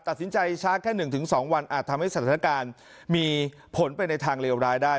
ตัดสินใจช้าแค่๑๒วันอาจทำให้สถานการณ์มีผลไปในทางเลวร้ายได้